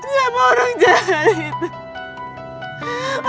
siapa orang jahat itu